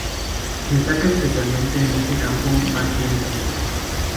Destaca especialmente en este campo Matienzo.